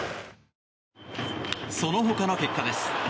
そのほかの結果です。